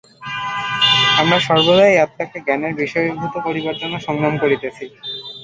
আমরা সর্বদাই আত্মাকে জ্ঞানের বিষয়ীভূত করিবার জন্য সংগ্রাম করিতেছি।